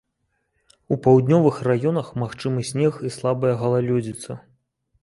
У паўднёвых раёнах магчымы снег і слабая галалёдзіца.